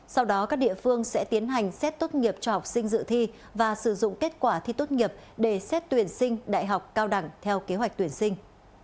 sau đó các địa phương sẽ tiến hành xét tốt nghiệp cho học sinh dự thi và sử dụng kết quả thi tốt nghiệp để xét tuyển sinh đại học cao đẳng theo kế hoạch tuyển sinh